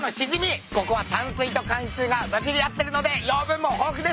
ここは淡水と海水が混じり合ってるので養分も豊富です。